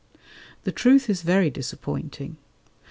The truth is very disappointing.